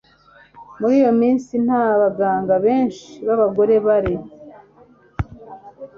Muri iyo minsi nta baganga benshi babagore bari